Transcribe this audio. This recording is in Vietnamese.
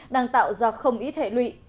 đang tạo ra không ít hệ lụy